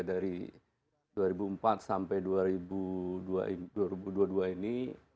dari dua ribu empat sampai dua ribu dua puluh dua ini